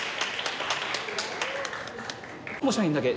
もう社員だけ。